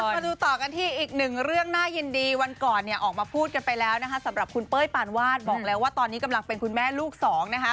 มาดูต่อกันที่อีกหนึ่งเรื่องน่ายินดีวันก่อนเนี่ยออกมาพูดกันไปแล้วนะคะสำหรับคุณเป้ยปานวาดบอกแล้วว่าตอนนี้กำลังเป็นคุณแม่ลูกสองนะคะ